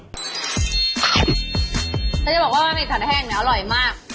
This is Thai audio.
ก็จะบอกว่ามีขันแห้งเนี่ยอร่อยมาก